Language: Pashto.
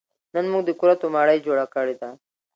نن موږ د کورتو مړۍ جوړه کړې ده